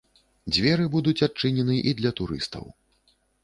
Дзверы будуць адчынены і для турыстаў.